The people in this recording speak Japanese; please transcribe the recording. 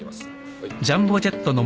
はい。